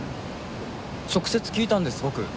直接聞いたんです僕。